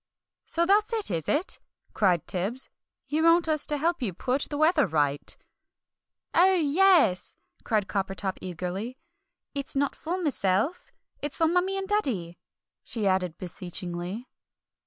"So that's it, is it?" cried Tibbs; "you want us to help you put the weather right?" "Oh, yes!" cried Coppertop eagerly. "It's not for myself, it's for Mummie and Daddy!" she added beseechingly.